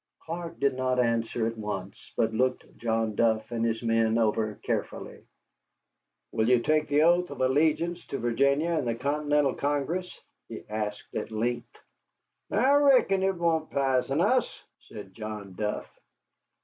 Clark did not answer at once, but looked John Duff and his men over carefully. "Will you take the oath of allegiance to Virginia and the Continental Congress?" he asked at length. "I reckon it won't pizen us," said John Duff.